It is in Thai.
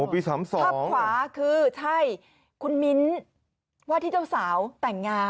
ภาพขวาคือใช่คุณมิ้นว่าที่เจ้าสาวแต่งงาน